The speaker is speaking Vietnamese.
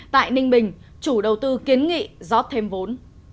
tại ninh bình chủ đầu tư kiến nghị rót thêm vốn